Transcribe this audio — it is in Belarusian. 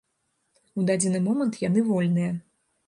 У дадзены момант яны вольныя.